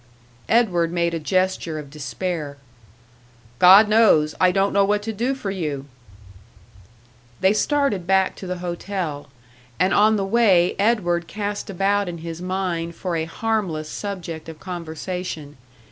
Edward made a gesture of despair. "God knows, I don't know what to do for you!" They started back to the hotel, and on the way Edward cast about in his mind for a harmless subject of conversation.